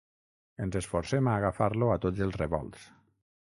Ens esforcem a agafar-lo a tots els revolts.